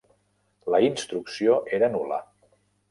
La instrucció era nul·la.